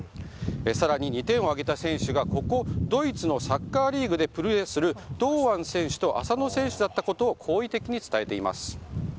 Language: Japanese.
更に、２点を挙げた選手がドイツのサッカーリーグでプレーする堂安選手と浅野選手だったことを好意的に伝えています。